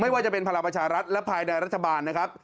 ไม่ว่าจะเป็นภาราปัชารัฐและภายในรัฐบาลนะครับ